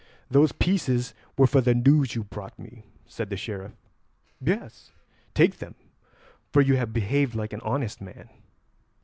"Those pieces were for the news you brought me," said the Sheriff. "Yes, take them, for you have behaved like an honest man."